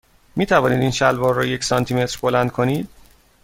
می توانید این شلوار را یک سانتی متر بلند کنید؟